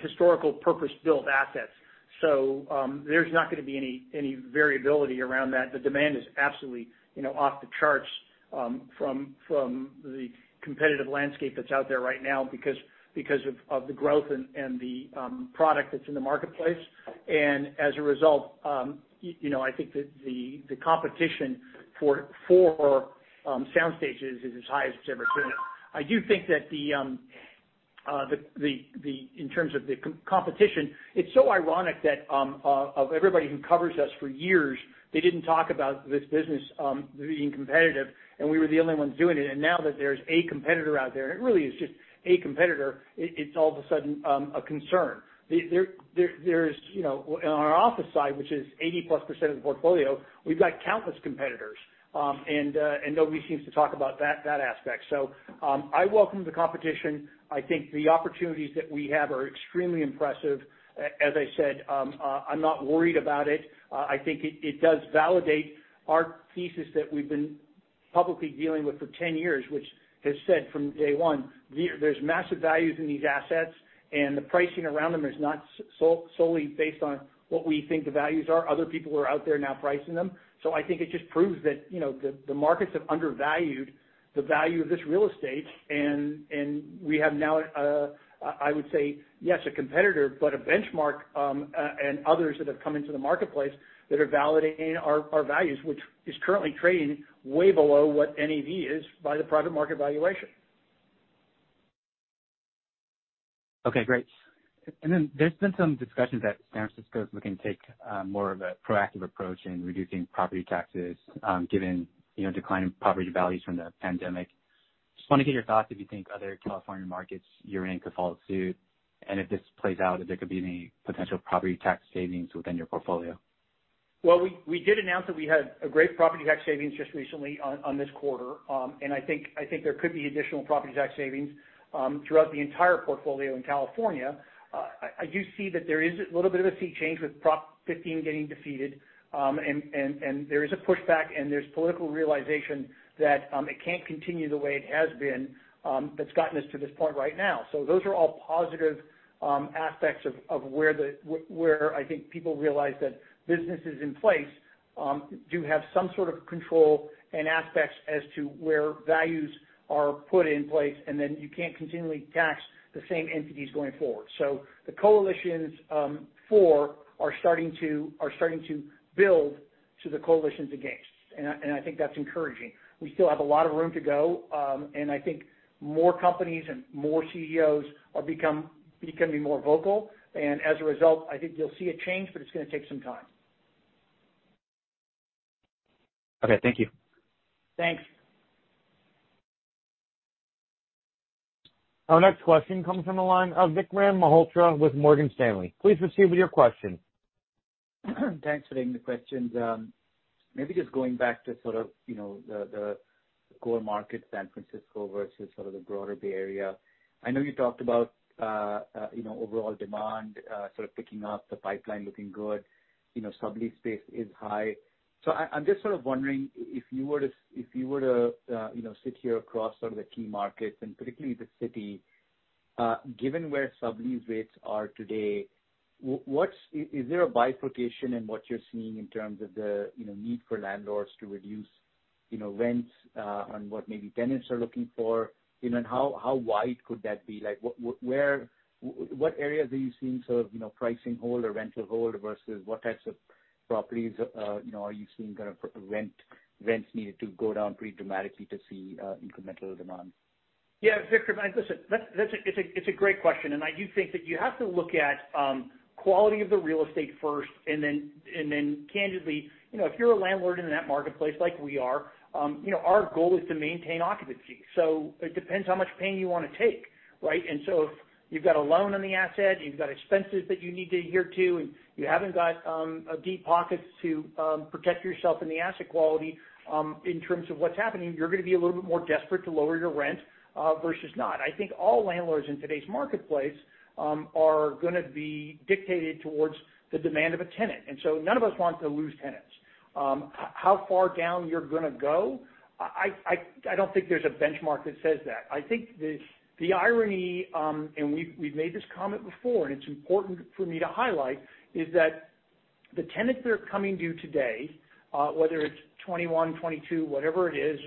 historical purpose-built assets. There's not going to be any variability around that. The demand is absolutely off the charts from the competitive landscape that's out there right now because of the growth and the product that's in the marketplace. As a result, I think that the competition for sound stages is as high as it's ever been. I do think that in terms of the competition, it's so ironic that of everybody who covers us for years, they didn't talk about this business being competitive, and we were the only ones doing it. Now that there's a competitor out there, and it really is just a competitor, it's all of a sudden a concern. On our office side, which is 80+% of the portfolio, we've got countless competitors. Nobody seems to talk about that aspect. I welcome the competition. I think the opportunities that we have are extremely impressive. As I said, I'm not worried about it. I think it does validate our thesis that we've been publicly dealing with for 10 years, which has said from day one, there's massive values in these assets, and the pricing around them is not solely based on what we think the values are. Other people are out there now pricing them. I think it just proves that the markets have undervalued the value of this real estate, and we have now, I would say, yes, a competitor, but a benchmark, and others that have come into the marketplace that are validating our values, which is currently trading way below what NAV is by the private market valuation. Okay, great. There's been some discussions that San Francisco is looking to take more of a proactive approach in reducing property taxes given decline in property values from the pandemic. Just want to get your thoughts if you think other California markets you're in could follow suit, and if this plays out, if there could be any potential property tax savings within your portfolio? Well, we did announce that we had a great property tax savings just recently on this quarter. I think there could be additional property tax savings throughout the entire portfolio in California. I do see that there is a little bit of a sea change with Proposition 15 getting defeated, and there is a pushback, and there's political realization that it can't continue the way it has been that's gotten us to this point right now. Those are all positive aspects of where I think people realize that businesses in place do have some sort of control and aspects as to where values are put in place, and then you can't continually tax the same entities going forward. The coalitions for are starting to build to the coalitions against, and I think that's encouraging. We still have a lot of room to go. I think more companies and more CEOs are becoming more vocal, and as a result, I think you'll see a change, but it's going to take some time. Okay. Thank you. Thanks. Our next question comes from the line of Vikram Malhotra with Morgan Stanley. Please proceed with your question. Thanks for taking the questions. Maybe just going back to sort of the core market, San Francisco, versus sort of the broader Bay Area. I know you talked about overall demand sort of picking up, the pipeline looking good, sublease space is high. I'm just sort of wondering if you were to sit here across sort of the key markets and particularly the city, given where sublease rates are today, is there a bifurcation in what you're seeing in terms of the need for landlords to reduce rents on what maybe tenants are looking for? How wide could that be? What areas are you seeing sort of pricing hold or rental hold versus what types of properties are you seeing kind of rents needed to go down pretty dramatically to see incremental demand? Vikram, listen, it's a great question. I do think that you have to look at quality of the real estate first. Candidly, if you're a landlord in that marketplace like we are, our goal is to maintain occupancy. It depends how much pain you want to take, right? If you've got a loan on the asset, you've got expenses that you need to adhere to. You haven't got deep pockets to protect yourself in the asset quality in terms of what's happening, you're going to be a little bit more desperate to lower your rent versus not. I think all landlords in today's marketplace are going to be dictated towards the demand of a tenant. None of us want to lose tenants. How far down you're going to go, I don't think there's a benchmark that says that. I think the irony, and we've made this comment before, and it's important for me to highlight, is that the tenants that are coming to you today, whether it's 2021, 2022, whatever it is,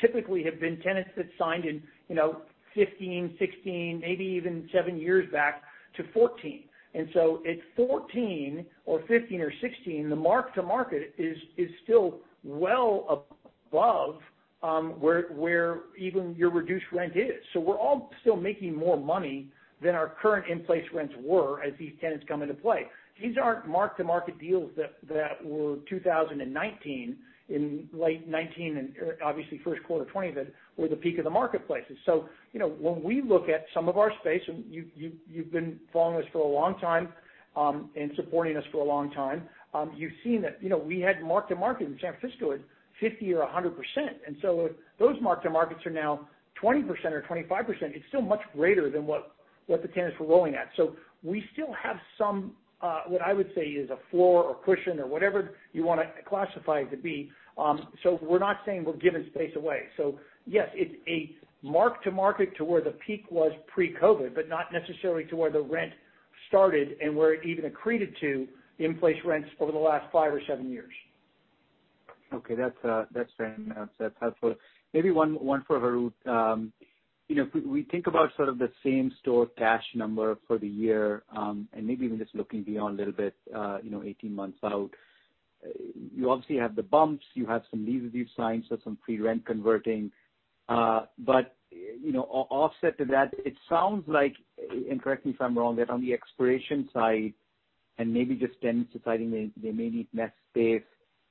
typically have been tenants that signed in 2015, 2016, maybe even seven years back to 2014. At 2014 or 2015 or 2016, the mark-to-market is still well above where even your reduced rent is. We're all still making more money than our current in-place rents were as these tenants come into play. These aren't mark-to-market deals that were 2019, in late 2019, and obviously first quarter of 2020 that were the peak of the marketplaces. When we look at some of our space, and you've been following us for a long time, and supporting us for a long time, you've seen that we had mark-to-market in San Francisco at 50% or 100%. Those mark-to-markets are now 20% or 25%. It's still much greater than what the tenants were rolling at. We still have some, what I would say is a floor or cushion or whatever you want to classify it to be. We're not saying we're giving space away. Yes, it's a mark-to-market to where the peak was pre-COVID, but not necessarily to where the rent started and where it even accreted to in-place rents over the last five or seven years. Okay, that's fair enough. That's helpful. Maybe one for Harout. If we think about sort of the same-store cash number for the year, and maybe even just looking beyond a little bit 18 months out, you obviously have the bumps, you have some lease review signs or some free rent converting. Offset to that, it sounds like, and correct me if I'm wrong, that on the expiration side and maybe just tenants deciding they may need less space,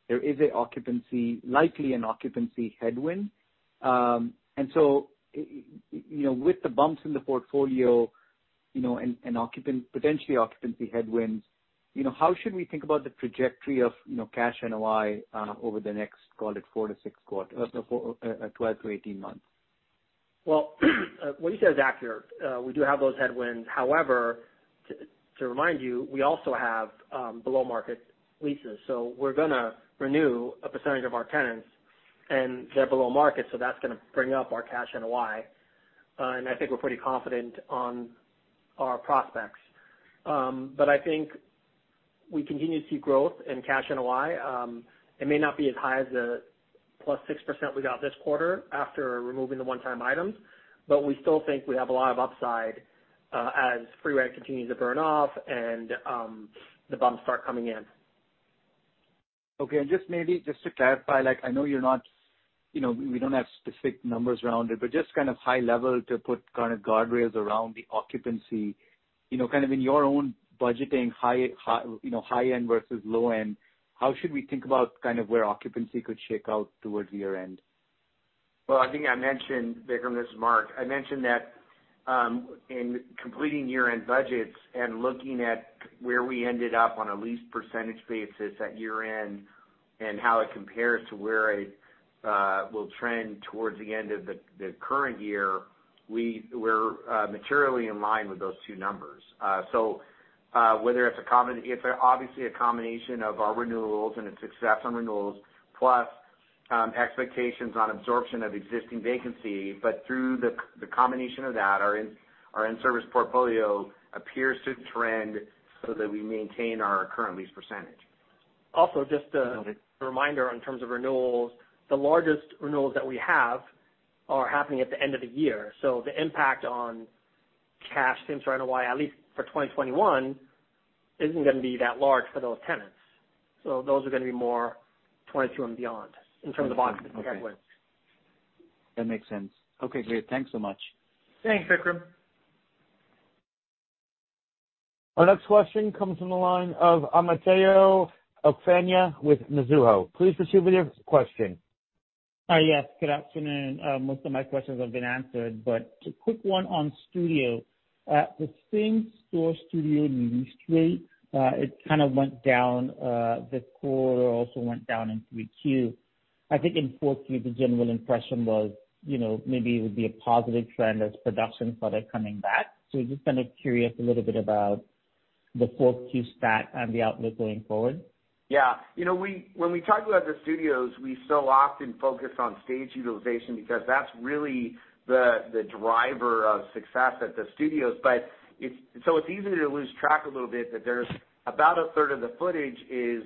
there is likely an occupancy headwind. With the bumps in the portfolio and potentially occupancy headwinds, how should we think about the trajectory of cash NOI over the next, call it, 12-18 months? Well, what you said is accurate. We do have those headwinds. However, to remind you, we also have below-market leases. We're going to renew a percentage of our tenants, and they're below market, so that's going to bring up our cash NOI. I think we're pretty confident on our prospects. I think we continue to see growth in cash NOI. It may not be as high as the +6% we got this quarter after removing the one-time items, but we still think we have a lot of upside as free rent continues to burn off and the bumps start coming in. Okay, just maybe just to clarify, I know we don't have specific numbers around it, but just kind of high level to put kind of guardrails around the occupancy. Kind of in your own budgeting, high end versus low end, how should we think about kind of where occupancy could shake out towards year-end? Well, I think I mentioned, Vikram, this is Mark. I mentioned that in completing year-end budgets and looking at where we ended up on a lease percentage basis at year-end and how it compares to where it will trend towards the end of the current year, we're materially in line with those two numbers. It's obviously a combination of our renewals and its success on renewals, plus expectations on absorption of existing vacancy. Through the combination of that, our in-service portfolio appears to trend so that we maintain our current lease percentage. Just a reminder in terms of renewals, the largest renewals that we have are happening at the end of the year. The impact on cash from NOI, at least for 2021, isn't going to be that large for those tenants. Those are going to be more 2022 and beyond in terms of occupancy headwinds. That makes sense. Okay, great. Thanks so much. Thanks, Vikram. Our next question comes from the line of Omotayo Okusanya with Mizuho. Please proceed with your question. Yes. Good afternoon. Most of my questions have been answered, a quick one on studio. The same store studio lease rate it kind of went down this quarter, also went down in Q3. I think in Q4, the general impression was maybe it would be a positive trend as production started coming back. Just kind of curious a little bit about the Q4 stat and the outlook going forward. When we talk about the studios, we so often focus on stage utilization because that's really the driver of success at the studios. It's easy to lose track a little bit that there's about a third of the footage is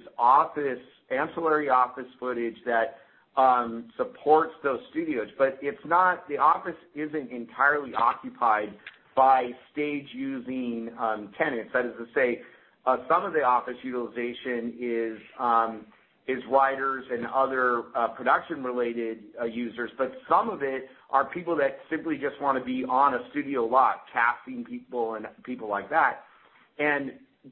ancillary office footage that supports those studios. The office isn't entirely occupied by stage-using tenants. That is to say, some of the office utilization is writers and other production-related users, but some of it are people that simply just want to be on a studio lot, casting people and people like that.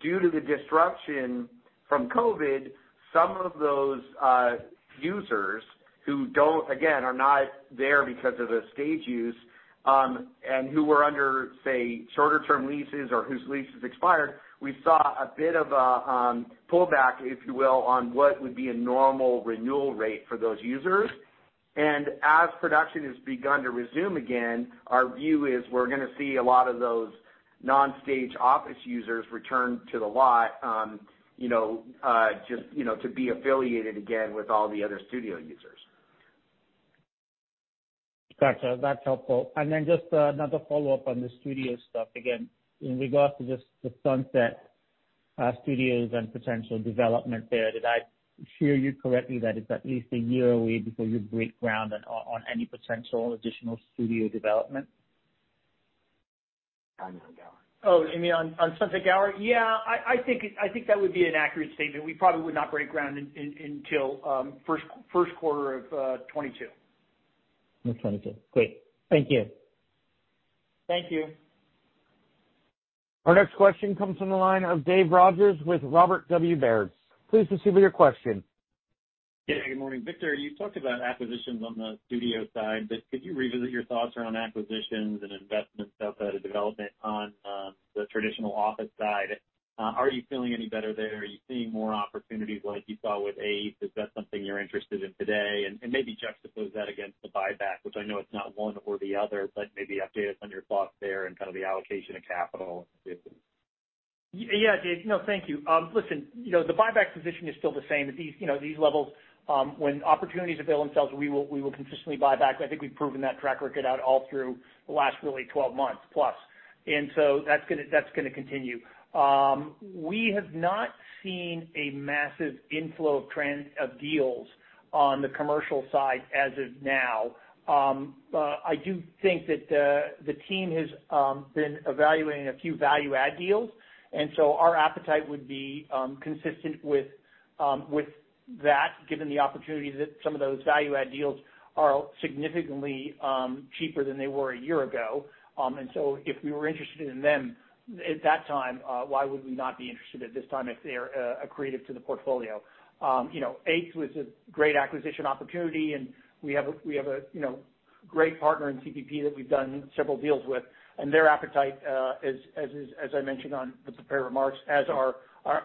Due to the disruption from COVID-19, some of those users who, again, are not there because of the stage use, and who were under, say, shorter term leases or whose leases expired, we saw a bit of a pullback, if you will, on what would be a normal renewal rate for those users. As production has begun to resume again, our view is we’re going to see a lot of those non-stage office users return to the lot to be affiliated again with all the other studio users. Gotcha. That's helpful. Just another follow-up on the studio stuff again, in regards to just the Sunset Studios and potential development there. Did I hear you correctly that it's at least one year away before you break ground on any potential additional studio development? On Gower. Oh, you mean on Sunset Gower? Yeah, I think that would be an accurate statement. We probably would not break ground until first quarter of 2022. Of 2022. Great. Thank you. Thank you. Our next question comes from the line of Dave Rodgers with Robert W. Baird. Please proceed with your question. Yeah, good morning. Victor, you talked about acquisitions on the studio side, but could you revisit your thoughts around acquisitions and investment of the development on the traditional office side? Are you feeling any better there? Are you seeing more opportunities like you saw with APE? Is that something you're interested in today? Maybe juxtapose that against the buyback, which I know it's not one or the other, but maybe update us on your thoughts there and kind of the allocation of capital too. Yeah. Dave, no, thank you. Listen, the buyback position is still the same. At these levels, when opportunities avail themselves, we will consistently buy back. I think we've proven that track record out all through the last really 12 months plus. That's going to continue. We have not seen a massive inflow of deals on the commercial side as of now. I do think that the team has been evaluating a few value add deals, and so our appetite would be consistent with that, given the opportunity that some of those value add deals are significantly cheaper than they were a year ago. If we were interested in them at that time, why would we not be interested at this time if they're accretive to the portfolio? APE was a great acquisition opportunity, and we have a great partner in CPP that we've done several deals with, and their appetite, as I mentioned on the prepared remarks, as our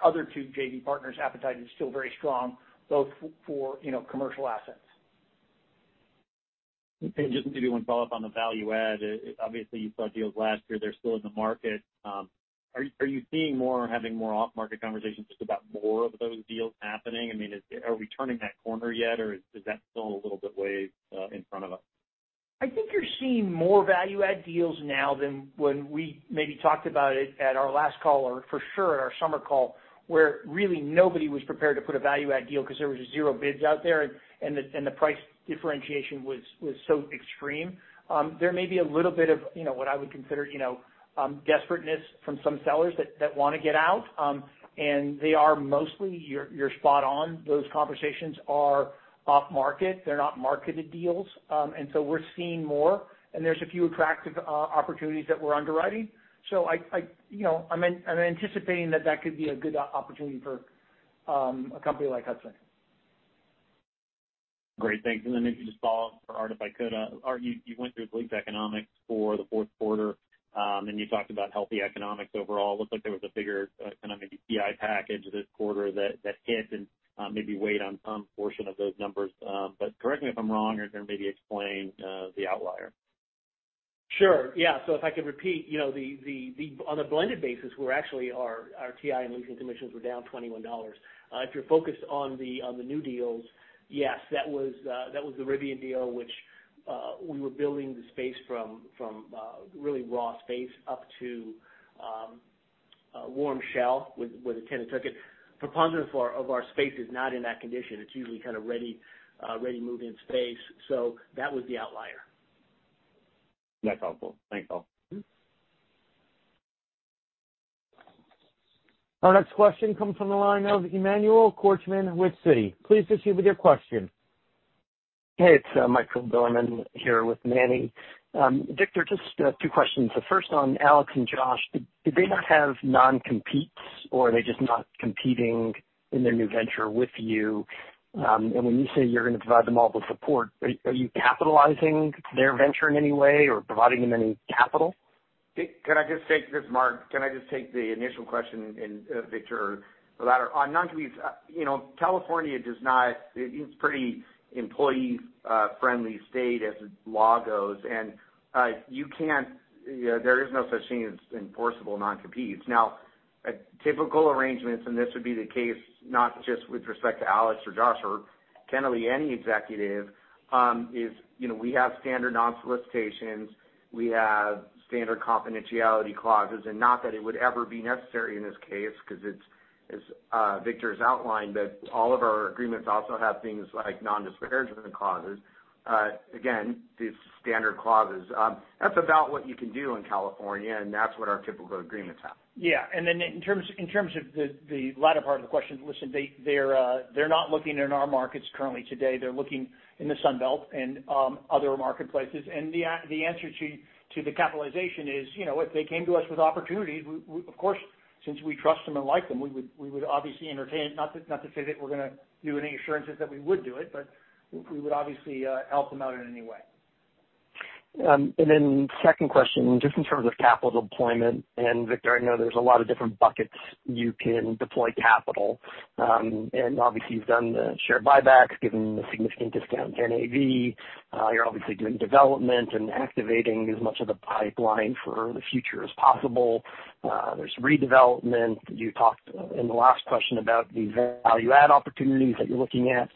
other two JV partners' appetite is still very strong both for commercial assets. Just maybe one follow-up on the value add. Obviously, you saw deals last year. They're still in the market. Are you seeing more or having more off-market conversations just about more of those deals happening? Are we turning that corner yet or is that still a little bit way in front of us? I think you're seeing more value add deals now than when we maybe talked about it at our last call, or for sure at our summer call, where really nobody was prepared to put a value add deal because there was zero bids out there and the price differentiation was so extreme. There may be a little bit of what I would consider desperateness from some sellers that want to get out, and they are mostly, you're spot on. Those conversations are off market. They're not marketed deals. We're seeing more and there's a few attractive opportunities that we're underwriting. I'm anticipating that that could be a good opportunity for a company like Hudson. Great. Thanks. If you just follow up for Art, if I could. Art, you went through the lease economics for the fourth quarter. You talked about healthy economics overall. It looked like there was a bigger kind of maybe TI package this quarter that hit and maybe weighed on some portion of those numbers. Correct me if I'm wrong, or maybe explain the outlier. Sure. Yeah. If I could repeat, on a blended basis, we're actually, our TI and leasing commissions were down $21. If you're focused on the new deals, yes. That was the Rivian deal, which we were building the space from really raw space up to a warm shell where the tenant took it. Preponderance of our space is not in that condition. It's usually kind of ready move-in space. That was the outlier. That's helpful. Thanks all. Our next question comes from the line of Emmanuel Korchman with Citi. Please proceed with your question. Hey, it's MikeGorman here with Manny. Victor, just two questions. The first on Alex and Josh. Did they not have non-competes, or are they just not competing in their new venture with you? When you say you're going to provide them all the support, are you capitalizing their venture in any way or providing them any capital? Can I just take this, Mark? Can I just take the initial question, Victor, the latter. On non-competes, California does not it's pretty employee friendly state as law goes. There is no such thing as enforceable non-competes. Typical arrangements, this would be the case not just with respect to Alex or Josh or candidly any executive, is we have standard non-solicitations. We have standard confidentiality clauses. Not that it would ever be necessary in this case because as Victor's outlined that all of our agreements also have things like non-disparagement clauses. These standard clauses. That's about what you can do in California, that's what our typical agreements have. Yeah. Then in terms of the latter part of the question, listen, they're not looking in our markets currently today. They're looking in the Sun Belt and other marketplaces. The answer to the capitalization is, if they came to us with opportunities, of course, since we trust them and like them, we would obviously entertain it. Not to say that we're going to do any assurances that we would do it, we would obviously help them out in any way. Then second question, just in terms of capital deployment, Victor, I know there's a lot of different buckets you can deploy capital. Obviously you've done the share buybacks given the significant discount to NAV. You're obviously doing development and activating as much of the pipeline for the future as possible. There's redevelopment. You talked in the last question about the value add opportunities that you're looking at.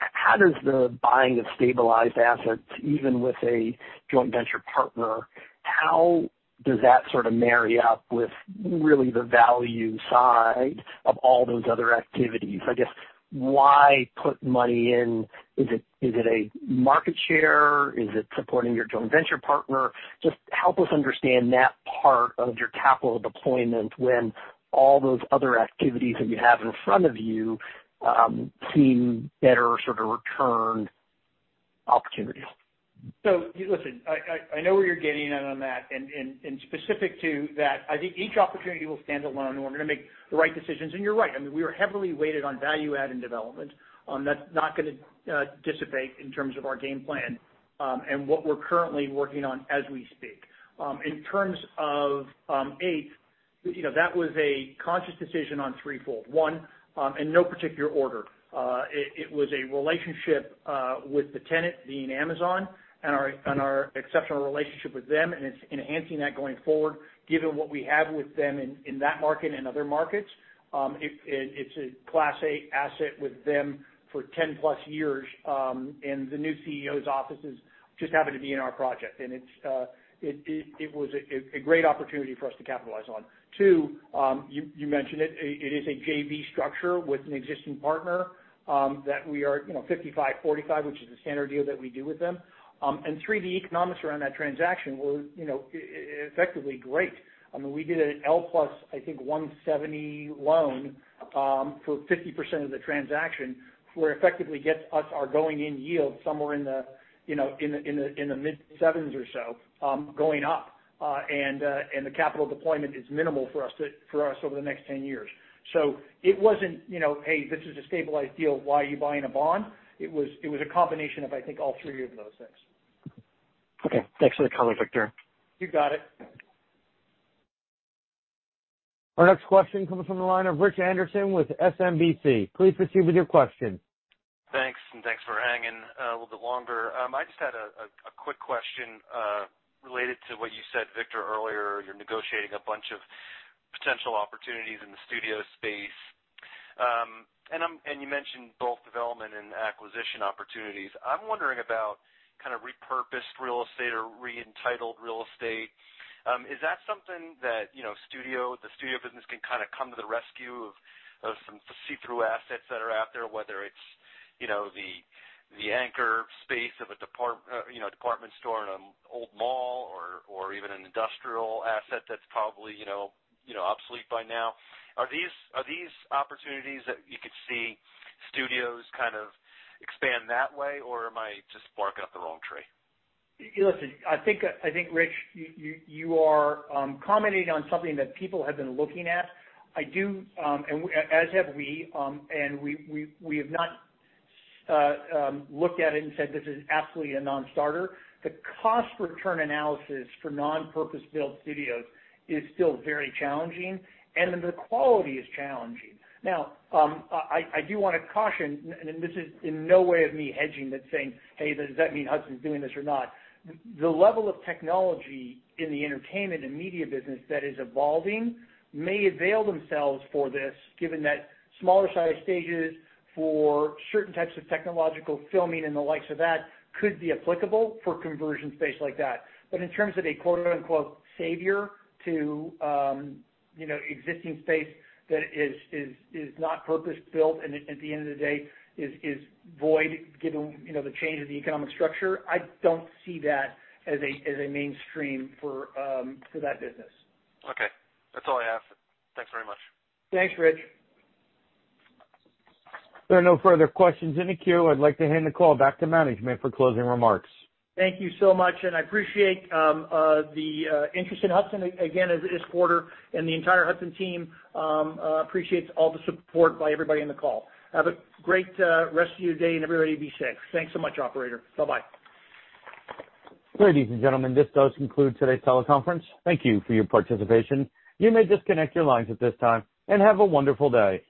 How does the buying of stabilized assets, even with a joint venture partner, how does that sort of marry up with really the value side of all those other activities? I guess why put money in? Is it a market share? Is it supporting your joint venture partner? Just help us understand that part of your capital deployment when all those other activities that you have in front of you seem better sort of return opportunities. Listen, I know where you're getting at on that, and specific to that, I think each opportunity will stand alone, and we're going to make the right decisions. You're right. I mean, we are heavily weighted on value add and development. That's not going to dissipate in terms of our game plan and what we're currently working on as we speak. In terms of Eighth, that was a conscious decision on threefold. One, in no particular order. It was a relationship with the tenant being Amazon and our exceptional relationship with them, and it's enhancing that going forward given what we have with them in that market and other markets. It's a Class A asset with them for 10+ years. The new CEO's office just happened to be in our project, and it was a great opportunity for us to capitalize on. Two, you mentioned it. It is a JV structure with an existing partner that we are 55/45, which is the standard deal that we do with them. Three, the economics around that transaction were effectively great. I mean, we did an L plus, I think, 170 loan for 50% of the transaction, where effectively gets us our going-in yield somewhere in the mid-sevens or so, going up. The capital deployment is minimal for us over the next 10 years. It wasn't, "Hey, this is a stabilized deal. Why are you buying a bond?" It was a combination of, I think, all three of those things. Okay. Thanks for the color, Victor. You got it. Our next question comes from the line of Richard Anderson with SMBC. Please proceed with your question. Thanks, thanks for hanging a little bit longer. I just had a quick question related to what you said, Victor, earlier. You're negotiating a bunch of potential opportunities in the studio space. You mentioned both development and acquisition opportunities. I'm wondering about kind of repurposed real estate or re-entitled real estate. Is that something that the studio business can kind of come to the rescue of some see-through assets that are out there, whether it's the anchor space of a department store in an old mall or even an industrial asset that's probably obsolete by now? Are these opportunities that you could see studios kind of expand that way, or am I just barking up the wrong tree? Listen, I think, Rich, you are commenting on something that people have been looking at. As have we, and we have not looked at it and said this is absolutely a non-starter. The cost return analysis for non-purpose-built studios is still very challenging, and the quality is challenging. Now, I do want to caution, and this is in no way of me hedging but saying, "Hey, does that mean Hudson's doing this or not?" The level of technology in the entertainment and media business that is evolving may avail themselves for this, given that smaller size stages for certain types of technological filming and the likes of that could be applicable for conversion space like that. In terms of a quote unquote savior to existing space that is not purpose-built and at the end of the day is void given the change of the economic structure, I don't see that as a mainstream for that business. Okay. That's all I have. Thanks very much. Thanks, Rich. There are no further questions in the queue. I'd like to hand the call back to management for closing remarks. Thank you so much, and I appreciate the interest in Hudson again this quarter, and the entire Hudson team appreciates all the support by everybody in the call. Have a great rest of your day, and everybody be safe. Thanks so much, operator. Bye-bye. Ladies and gentlemen, this does conclude today's teleconference. Thank you for your participation. You may disconnect your lines at this time. Have a wonderful day.